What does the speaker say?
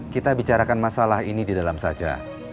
kita bicarakan masalah ini di dalam saja